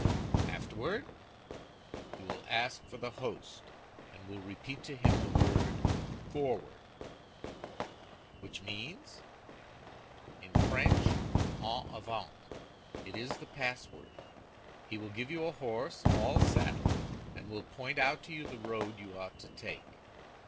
"Afterward?" "You will ask for the host, and will repeat to him the word 'Forward!'" "Which means?" "In French, En avant. It is the password. He will give you a horse all saddled, and will point out to you the road you ought to take.